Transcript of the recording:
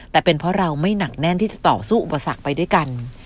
แต่เป็นเพราะเราไม่หนักแน่นที่จะต่อสู้อุปสรรคไปด้วยกัน